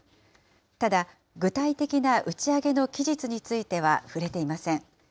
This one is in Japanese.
ただ、具体的な打ち上げの期日については触れていません。